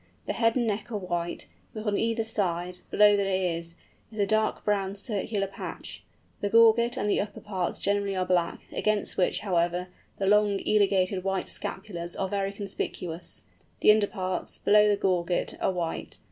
The head and neck are white, but on either side, below the ears, is a dark brown circular patch; the gorget and the upper parts generally are black, against which, however, the long, elongated white scapulars are very conspicuous; the underparts, below the gorget, are white.